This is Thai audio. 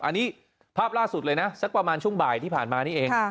อันนี้ภาพล่าสุดเลยนะสักประมาณช่วงบ่ายที่ผ่านมานี่เอง